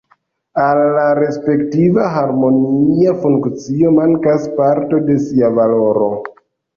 Al la respektiva harmonia funkcio mankas parto de sia valoro.